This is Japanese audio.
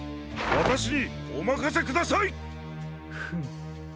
わたしにおまかせください！フム。